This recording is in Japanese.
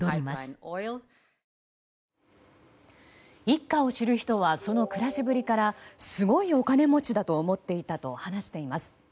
一家を知る人はその暮らしぶりからすごいお金持ちだと思っていたと話しています。